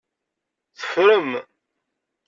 Teffrem.